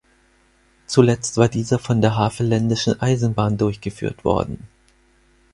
Zuletzt war dieser von der Havelländischen Eisenbahn durchgeführt worden.